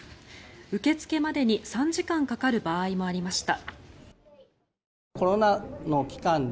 受け付けまでに３時間かかる場合もありました。